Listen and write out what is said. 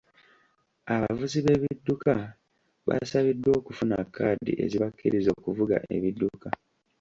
Abavuzi b'ebidduka baasabibwa okufuna kaadi ezibakkiriza okuvuga ebidduka.